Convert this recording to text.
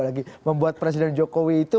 lagi membuat presiden jokowi itu